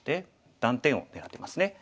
断点を狙ってますね。